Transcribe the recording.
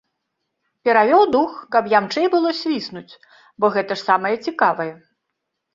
Перавёў дух, каб ямчэй было свіснуць, бо гэта ж самае цікавае.